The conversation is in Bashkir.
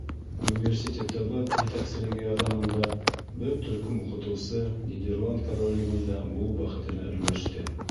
— Университетыбыҙ етәкселеге ярҙамында бер төркөм уҡытыусы Нидерланд Короллегендә булыу бәхетенә өлгәште.